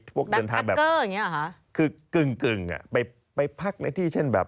พวกเดินทางแบบคือกึ่งกึ่งอ่ะไปไปพักในที่เช่นแบบ